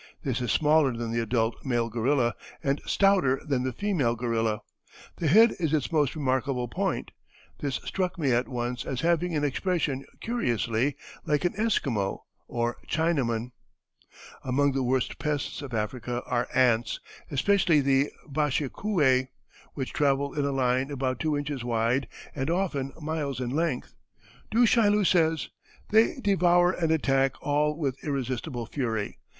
This is smaller than the adult male gorilla, and stouter than the female gorilla. The head is its most remarkable point. This struck me at once as having an expression curiously like an Esquimau or Chinaman." Among the worst pests of Africa are ants, especially the bashikouay, which travel in a line about two inches wide and often miles in length. Du Chaillu says: "They devour and attack all with irresistible fury.